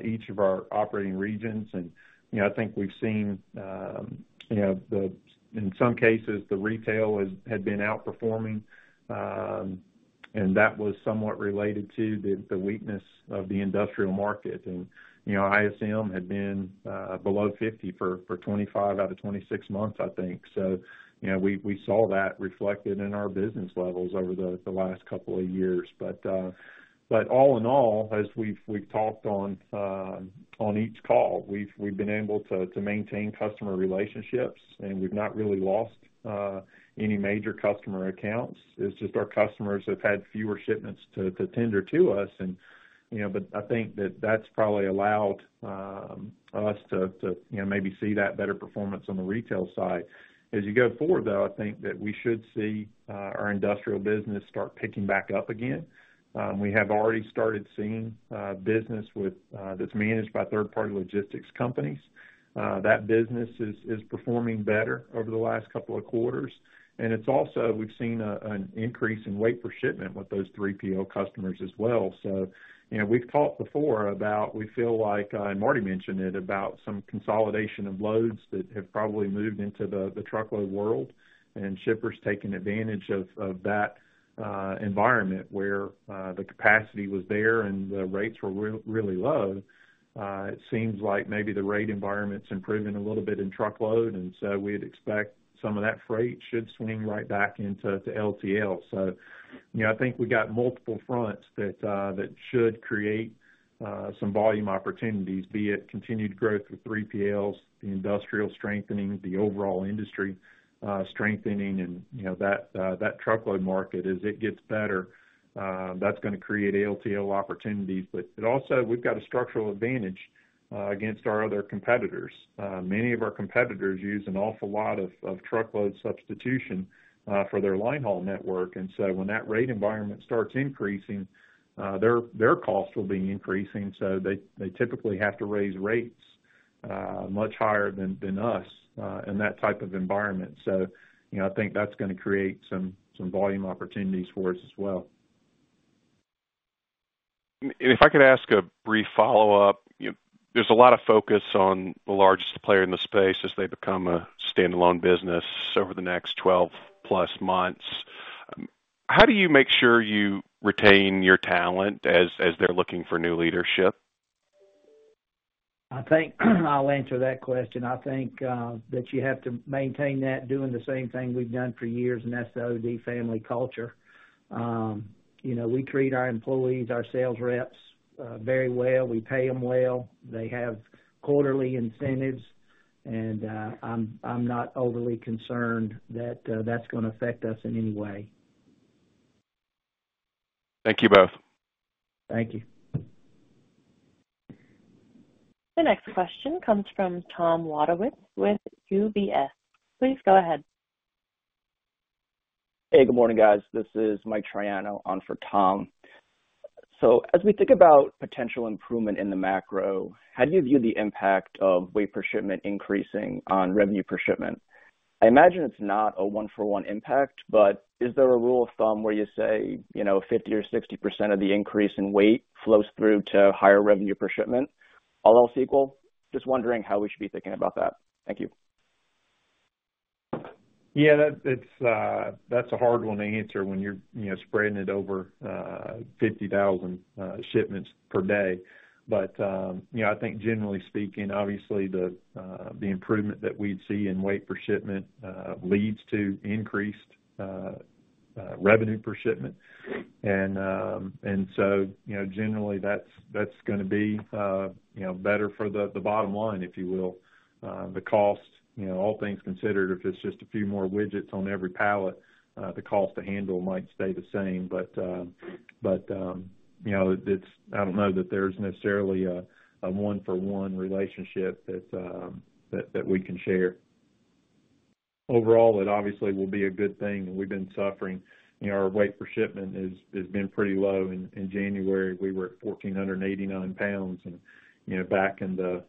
each of our operating regions, and, you know, I think we've seen, you know, in some cases, the retail had been outperforming, and that was somewhat related to the weakness of the industrial market, and, you know, ISM had been below 50 for 25 out of 26 months, I think, so, you know, we saw that reflected in our business levels over the last couple of years, but all in all, as we've talked on each call, we've been able to maintain customer relationships, and we've not really lost any major customer accounts. It's just our customers have had fewer shipments to tender to us. You know, but I think that that's probably allowed us to maybe see that better performance on the retail side. As you go forward, though, I think that we should see our industrial business start picking back up again. We have already started seeing business that's managed by third-party logistics companies. That business is performing better over the last couple of quarters. It's also we've seen an increase in weight per shipment with those 3PL customers as well. You know, we've talked before about, we feel like, and Marty mentioned it, about some consolidation of loads that have probably moved into the truckload world. Shippers taking advantage of that environment where the capacity was there and the rates were really low. It seems like maybe the rate environment's improving a little bit in truckload. And so we'd expect some of that freight should swing right back into LTL. So, you know, I think we got multiple fronts that should create some volume opportunities, be it continued growth with 3PLs, the industrial strengthening, the overall industry strengthening. And, you know, that truckload market, as it gets better, that's going to create LTL opportunities. But it also, we've got a structural advantage against our other competitors. Many of our competitors use an awful lot of truckload substitution for their linehaul network. And so when that rate environment starts increasing, their costs will be increasing. So they typically have to raise rates much higher than us in that type of environment. So, you know, I think that's going to create some volume opportunities for us as well. If I could ask a brief follow-up, there's a lot of focus on the largest player in the space as they become a standalone business over the next 12 plus months. How do you make sure you retain your talent as they're looking for new leadership? I think I'll answer that question. I think that you have to maintain that, doing the same thing we've done for years, and that's the OD family culture. You know, we treat our employees, our sales reps very well. We pay them well. They have quarterly incentives, and I'm not overly concerned that that's going to affect us in any way. Thank you both. Thank you. The next question comes from Tom Wadewitz with UBS. Please go ahead. Hey, good morning, guys. This is Mike Triano on for Tom. So as we think about potential improvement in the macro, how do you view the impact of weight per shipment increasing on revenue per shipment? I imagine it's not a one-for-one impact, but is there a rule of thumb where you say, you know, 50% or 60% of the increase in weight flows through to higher revenue per shipment? All else equal, just wondering how we should be thinking about that. Thank you. Yeah, that's a hard one to answer when you're, you know, spreading it over 50,000 shipments per day. But, you know, I think generally speaking, obviously the improvement that we'd see in weight per shipment leads to increased revenue per shipment. And so, you know, generally that's going to be, you know, better for the bottom line, if you will. The cost, you know, all things considered, if it's just a few more widgets on every pallet, the cost to handle might stay the same. But, you know, it's, I don't know that there's necessarily a one-for-one relationship that we can share. Overall, it obviously will be a good thing. And we've been suffering. You know, our weight per shipment has been pretty low. In January, we were at 1,489 pounds. And, you know, back in the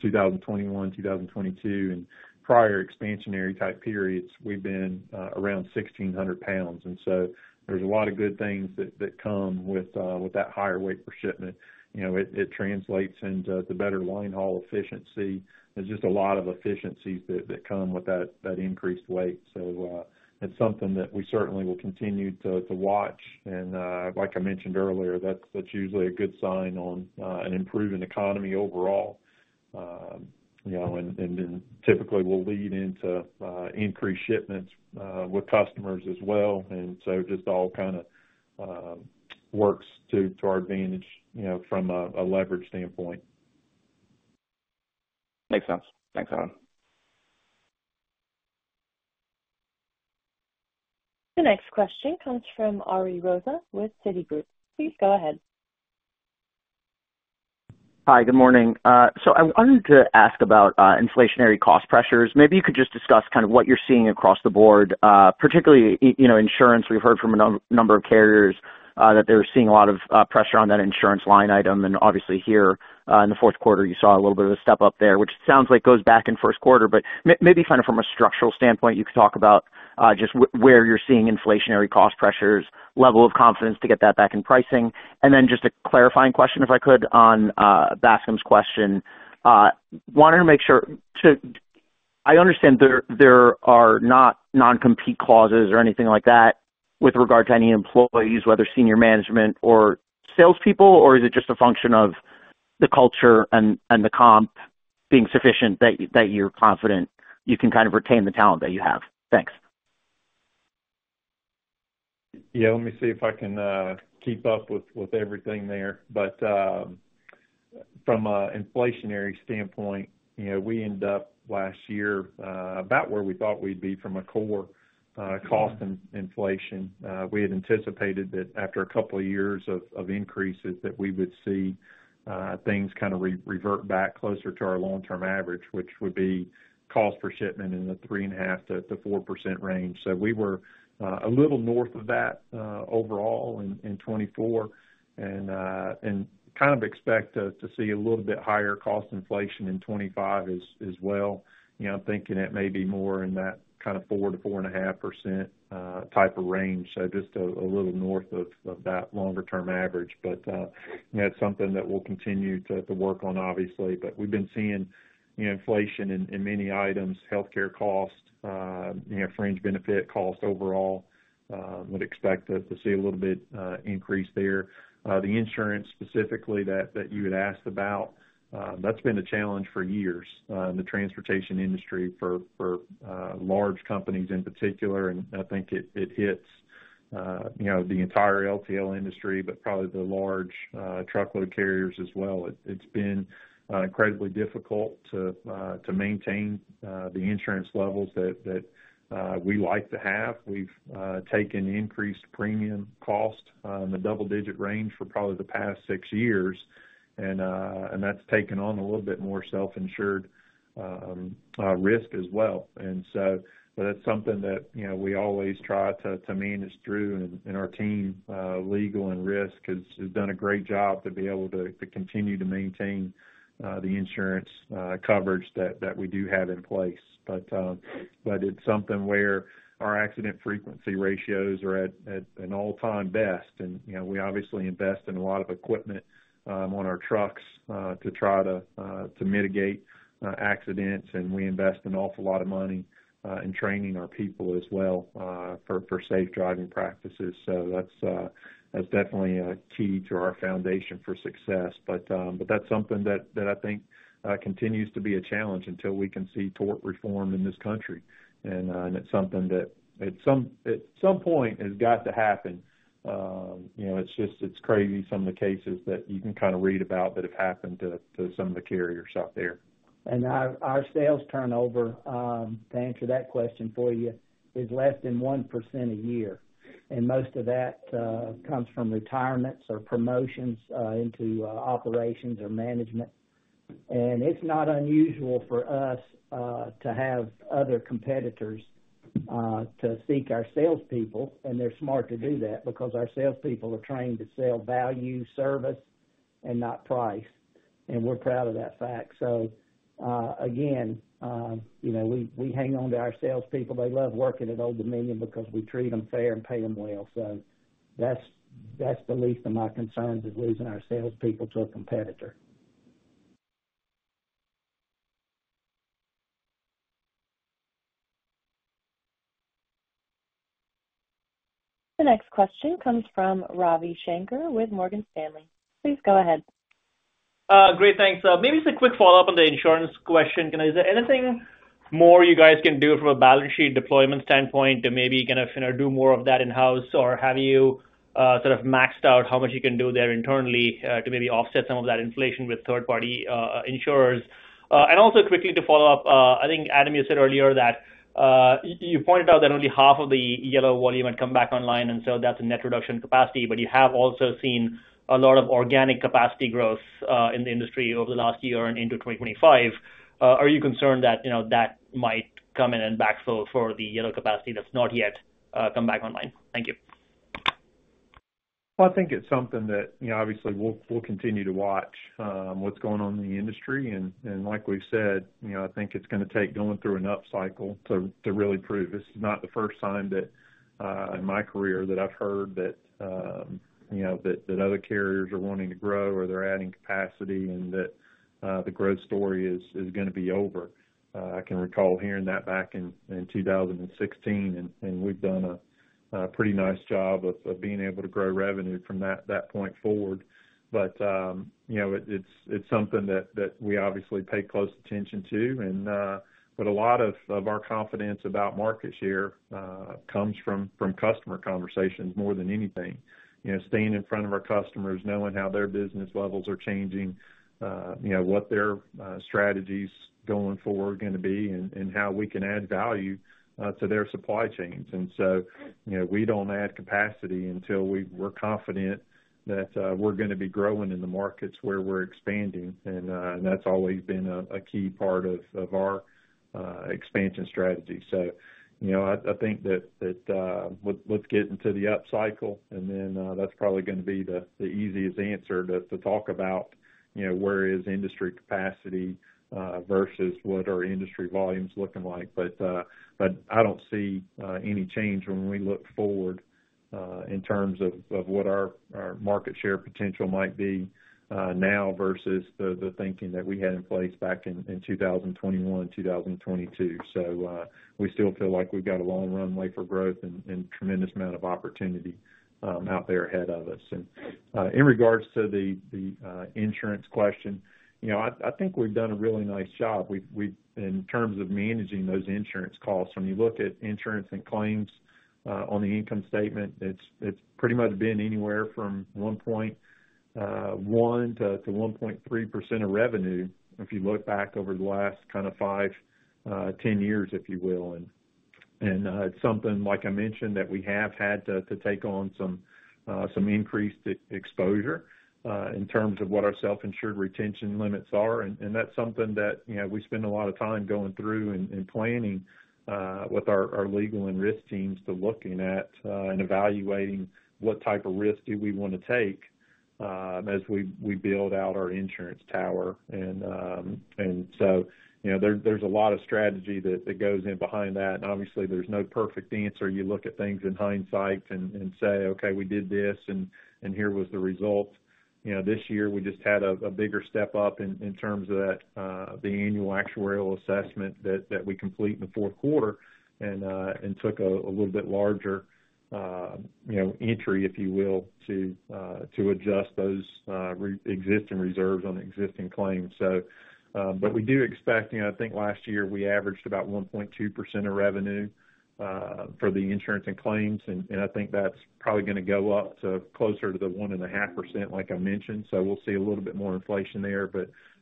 2021, 2022, and prior expansionary type periods, we've been around 1,600 pounds. And so there's a lot of good things that come with that higher weight per shipment. You know, it translates into the better linehaul efficiency. There's just a lot of efficiencies that come with that increased weight. So it's something that we certainly will continue to watch. And like I mentioned earlier, that's usually a good sign on an improving economy overall. You know, and then typically will lead into increased shipments with customers as well. And so just all kind of works to our advantage, you know, from a leverage standpoint. Makes sense. Thanks, Adam. The next question comes from Ari Rosa with Citigroup. Please go ahead. Hi, good morning. So I wanted to ask about inflationary cost pressures. Maybe you could just discuss kind of what you're seeing across the board, particularly, you know, insurance. We've heard from a number of carriers that they're seeing a lot of pressure on that insurance line item. And obviously here in the fourth quarter, you saw a little bit of a step up there, which sounds like goes back in first quarter. But maybe kind of from a structural standpoint, you could talk about just where you're seeing inflationary cost pressures, level of confidence to get that back in pricing. And then just a clarifying question, if I could, on Bascom's question. Wanted to make sure to, I understand there are not non-compete clauses or anything like that with regard to any employees, whether senior management or salespeople, or is it just a function of the culture and the comp being sufficient that you're confident you can kind of retain the talent that you have? Thanks. Yeah, let me see if I can keep up with everything there. But from an inflationary standpoint, you know, we ended up last year about where we thought we'd be from a core cost inflation. We had anticipated that after a couple of years of increases that we would see things kind of revert back closer to our long-term average, which would be cost per shipment in the 3.5%-4% range. So we were a little north of that overall in 2024. And kind of expect to see a little bit higher cost inflation in 2025 as well. You know, I'm thinking it may be more in that kind of 4%-4.5% type of range. So just a little north of that longer-term average. But that's something that we'll continue to work on, obviously. But we've been seeing, you know, inflation in many items, healthcare cost, you know, fringe benefit cost overall. Would expect to see a little bit increase there. The insurance specifically that you had asked about, that's been a challenge for years in the transportation industry for large companies in particular. And I think it hits, you know, the entire LTL industry, but probably the large truckload carriers as well. It's been incredibly difficult to maintain the insurance levels that we like to have. We've taken increased premium cost in the double-digit range for probably the past six years. And that's taken on a little bit more self-insured risk as well. And so that's something that, you know, we always try to manage through in our team, legal and risk, has done a great job to be able to continue to maintain the insurance coverage that we do have in place. But it's something where our accident frequency ratios are at an all-time best. And, you know, we obviously invest in a lot of equipment on our trucks to try to mitigate accidents. And we invest an awful lot of money in training our people as well for safe driving practices. So that's definitely a key to our foundation for success. But that's something that I think continues to be a challenge until we can see tort reform in this country. And it's something that at some point has got to happen. You know, it's just, it's crazy some of the cases that you can kind of read about that have happened to some of the carriers out there. Our sales turnover, to answer that question for you, is less than 1% a year. Most of that comes from retirements or promotions into operations or management. It's not unusual for us to have other competitors seek our salespeople. They're smart to do that because our salespeople are trained to sell value, service, and not price. We're proud of that fact. So again, you know, we hang on to our salespeople. They love working at Old Dominion because we treat them fair and pay them well. That's the least of my concerns is losing our salespeople to a competitor. The next question comes from Ravi Shanker with Morgan Stanley. Please go ahead. Great. Thanks. Maybe it's a quick follow-up on the insurance question. Is there anything more you guys can do from a balance sheet deployment standpoint to maybe kind of do more of that in-house? Or have you sort of maxed out how much you can do there internally to maybe offset some of that inflation with third-party insurers? And also quickly to follow up, I think, Adam, you said earlier that you pointed out that only half of the Yellow volume had come back online. And so that's a net reduction capacity. But you have also seen a lot of organic capacity growth in the industry over the last year and into 2025. Are you concerned that, you know, that might come in and backfill for the Yellow capacity that's not yet come back online? Thank you. I think it's something that, you know, obviously we'll continue to watch what's going on in the industry. Like we've said, you know, I think it's going to take going through an upcycle to really prove. This is not the first time that in my career that I've heard that, you know, that other carriers are wanting to grow or they're adding capacity and that the growth story is going to be over. I can recall hearing that back in 2016. We've done a pretty nice job of being able to grow revenue from that point forward. It's something that we obviously pay close attention to. A lot of our confidence about market share comes from customer conversations more than anything. You know, staying in front of our customers, knowing how their business levels are changing, you know, what their strategy's going forward going to be and how we can add value to their supply chains, and so, you know, we don't add capacity until we're confident that we're going to be growing in the markets where we're expanding, and that's always been a key part of our expansion strategy, so, you know, I think that let's get into the upcycle, and then that's probably going to be the easiest answer to talk about, you know, where is industry capacity versus what are industry volumes looking like, but I don't see any change when we look forward in terms of what our market share potential might be now versus the thinking that we had in place back in 2021, 2022. We still feel like we've got a long runway for growth and tremendous amount of opportunity out there ahead of us. In regards to the insurance question, you know, I think we've done a really nice job in terms of managing those insurance costs. When you look at insurance and claims on the income statement, it's pretty much been anywhere from 1.1%-1.3% of revenue if you look back over the last kind of five, 10 years, if you will. It's something, like I mentioned, that we have had to take on some increased exposure in terms of what our self-insured retention limits are. That's something that, you know, we spend a lot of time going through and planning with our legal and risk teams to looking at and evaluating what type of risk do we want to take as we build out our insurance tower. So, you know, there's a lot of strategy that goes in behind that. Obviously, there's no perfect answer. You look at things in hindsight and say, "Okay, we did this and here was the result." You know, this year we just had a bigger step up in terms of the annual actuarial assessment that we complete in the fourth quarter and took a little bit larger, you know, entry, if you will, to adjust those existing reserves on existing claims. But we do expect, you know, I think last year we averaged about 1.2% of revenue for the insurance and claims. I think that's probably going to go up closer to the 1.5%, like I mentioned. We'll see a little bit more inflation there.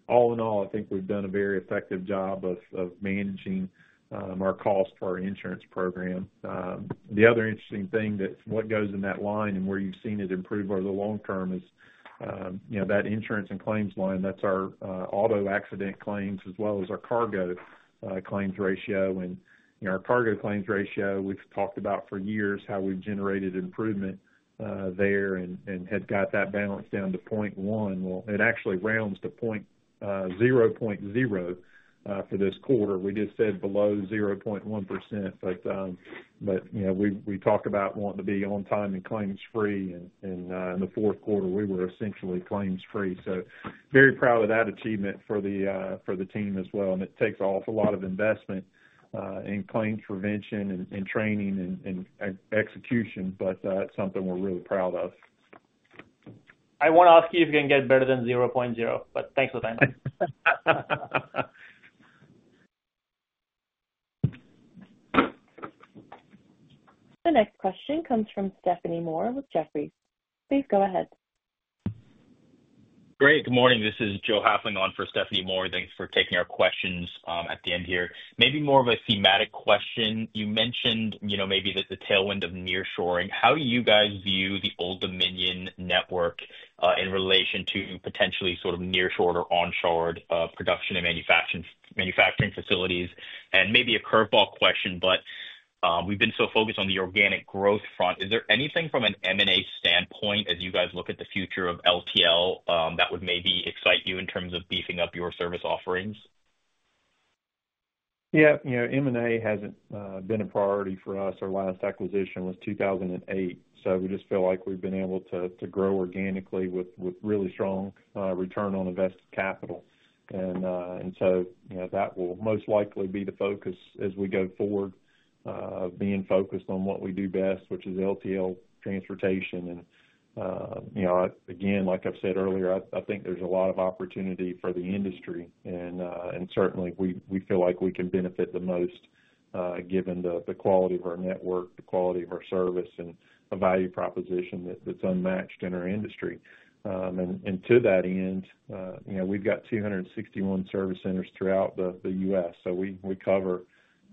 All in all, I think we've done a very effective job of managing our cost for our insurance program. The other interesting thing that's what goes in that line and where you've seen it improve over the long term is, you know, that insurance and claims line. That's our auto accident claims as well as our cargo claims ratio. You know, our cargo claims ratio, we've talked about for years how we've generated improvement there and had got that balance down to 0.1%. Well, it actually rounds to 0.0% for this quarter. We just said below 0.1%. You know, we talk about wanting to be on time and claims free. In the fourth quarter, we were essentially claims free. So very proud of that achievement for the team as well. And it takes an awful lot of investment in claims prevention and training and execution. But it's something we're really proud of. I want to ask you if you can get better than 0.0. But thanks for the time. The next question comes from Stephanie Moore with Jefferies. Please go ahead. Great. Good morning. This is Joe Hafling on for Stephanie Moore. Thanks for taking our questions at the end here. Maybe more of a thematic question. You mentioned, you know, maybe the tailwind of nearshoring. How do you guys view the Old Dominion network in relation to potentially sort of nearshored or onshored production and manufacturing facilities? And maybe a curveball question, but we've been so focused on the organic growth front. Is there anything from an M&A standpoint as you guys look at the future of LTL that would maybe excite you in terms of beefing up your service offerings? Yeah. You know, M&A hasn't been a priority for us. Our last acquisition was 2008. So we just feel like we've been able to grow organically with really strong return on invested capital. And so, you know, that will most likely be the focus as we go forward of being focused on what we do best, which is LTL transportation. And, you know, again, like I've said earlier, I think there's a lot of opportunity for the industry. And certainly, we feel like we can benefit the most given the quality of our network, the quality of our service, and a value proposition that's unmatched in our industry. And to that end, you know, we've got 261 service centers throughout the U.S. So we cover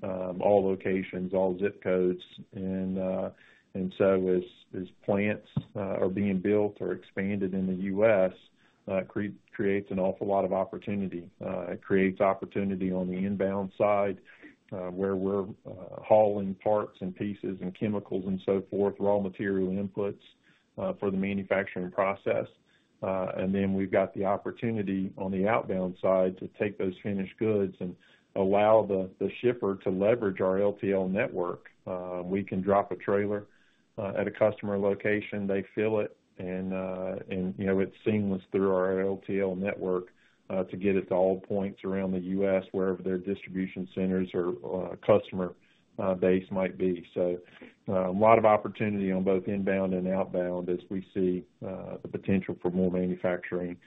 all locations, all zip codes. And so as plants are being built or expanded in the U.S., it creates an awful lot of opportunity. It creates opportunity on the inbound side where we're hauling parts and pieces and chemicals and so forth, raw material inputs for the manufacturing process, and then we've got the opportunity on the outbound side to take those finished goods and allow the shipper to leverage our LTL network. We can drop a trailer at a customer location. They fill it, and, you know, it's seamless through our LTL network to get it to all points around the U.S., wherever their distribution centers or customer base might be, so a lot of opportunity on both inbound and outbound as we see the potential for more manufacturing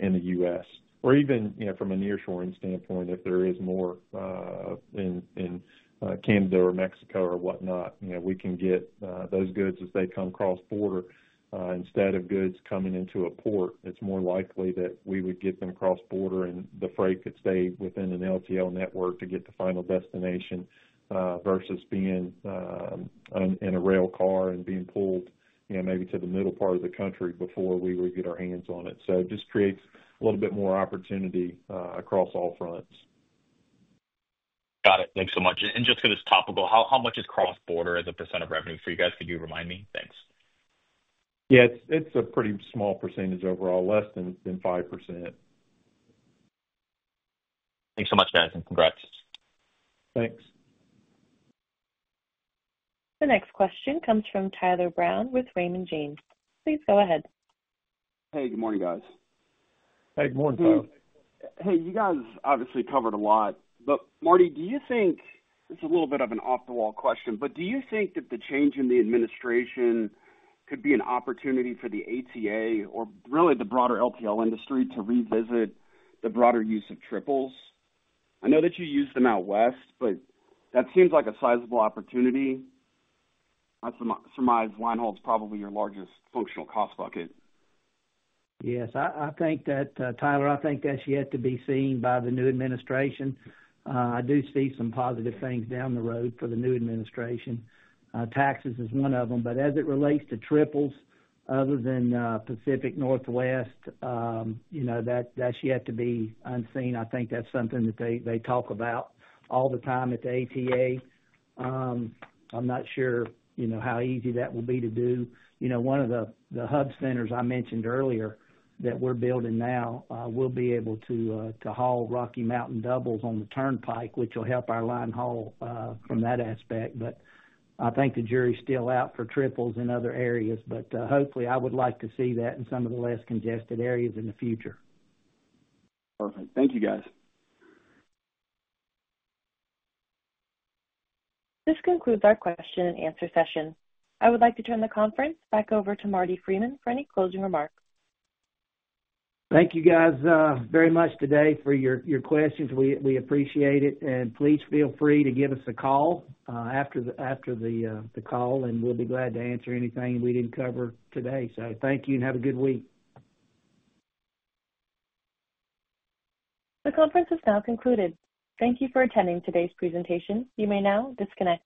in the U.S., or even, you know, from a nearshoring standpoint, if there is more in Canada or Mexico or whatnot, you know, we can get those goods as they come cross border. Instead of goods coming into a port, it's more likely that we would get them cross border and the freight could stay within an LTL network to get to final destination versus being in a rail car and being pulled, you know, maybe to the middle part of the country before we would get our hands on it. So it just creates a little bit more opportunity across all fronts. Got it. Thanks so much. And just because it's topical, how much is cross border as a % of revenue for you guys? Could you remind me? Thanks. Yeah. It's a pretty small percentage overall, less than 5%. Thanks so much, guys. And congrats. Thanks. The next question comes from Tyler Brown with Raymond James. Please go ahead. Hey, good morning, guys. Hey, good morning, Todd. Hey, you guys obviously covered a lot. But Marty, do you think, this is a little bit of an off-the-wall question, but do you think that the change in the administration could be an opportunity for the ATA or really the broader LTL industry to revisit the broader use of triples? I know that you use them out west, but that seems like a sizable opportunity. Linehaul holds probably your largest functional cost bucket. Yes. I think that, Tyler, I think that's yet to be seen by the new administration. I do see some positive things down the road for the new administration. Taxes is one of them. But as it relates to triples, other than Pacific Northwest, you know, that's yet to be unseen. I think that's something that they talk about all the time at the ATA. I'm not sure, you know, how easy that will be to do. You know, one of the hub centers I mentioned earlier that we're building now will be able to haul Rocky Mountain doubles on the turnpike, which will help our line haul from that aspect. But I think the jury's still out for triples in other areas. But hopefully, I would like to see that in some of the less congested areas in the future. Perfect. Thank you, guys. This concludes our question and answer session. I would like to turn the conference back over to Marty Freeman for any closing remarks. Thank you, guys, very much today for your questions. We appreciate it. And please feel free to give us a call after the call. And we'll be glad to answer anything we didn't cover today. So thank you and have a good week. The conference is now concluded. Thank you for attending today's presentation. You may now disconnect.